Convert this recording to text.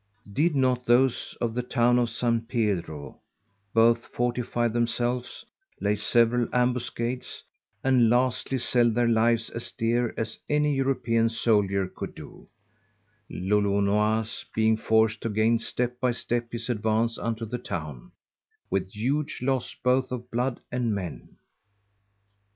Did not those of the Town of_ San Pedro _both fortifie themselves, lay several Ambuscades, and lastly sell their lives as dear as any European Souldier could do; Lolonois being forced to gain step by step his advance unto the Town, with huge loss both of bloud and men?